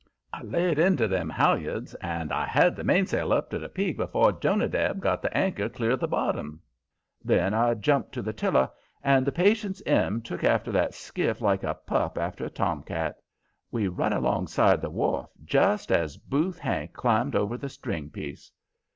I laid into them halyards, and I had the mainsail up to the peak afore Jonadab got the anchor clear of the bottom. Then I jumped to the tiller, and the Patience M. took after that skiff like a pup after a tomcat. We run alongside the wharf just as Booth Hank climbed over the stringpiece.